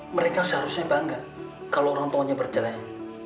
mereka seharusnya bangga kalau orang tuanya bercerai